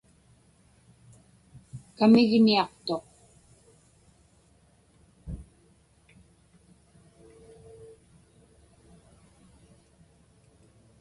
Kamigniaqtuq.